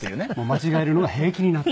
間違えるのが平気になって。